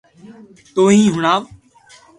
توھي ھڻاو